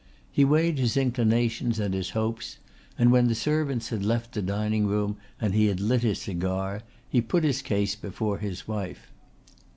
He weighed his inclinations and his hopes, and when the servants had left the dining room and he had lit his cigar he put his case before his wife.